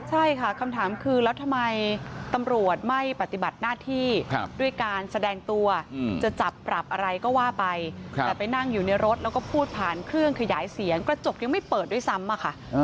ใช่ค่ะคำถามคือแล้วทำไมตำรวจไม่ปฏิบัติหน้าที่ด้วยการแสดงตัวจะจับปรับอะไรก็ว่าไปแต่ไปนั่งอยู่ในรถแล้วก็พูดผ่านเครื่องขยายเสียงกระจกยังไม่เปิดด้วยซ้ำอะค่ะ